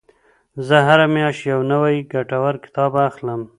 زه هره میاشت یو نوی ګټور کتاب اخلم.